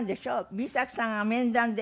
Ｂ作さんが面談で。